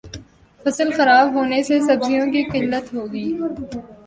فصل خراب ہونے سے سبزیوں کی قلت ہوگئی